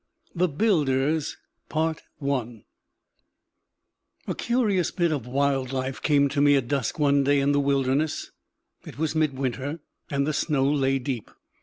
THE BUILDERS. A curious bit of wild life came to me at dusk one day in the wilderness. It was midwinter, and the snow lay deep.